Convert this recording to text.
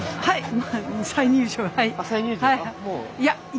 はい。